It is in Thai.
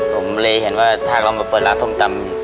ผมเลยเห็นว่าถ้าเรามาเปิดร้านส้มตำ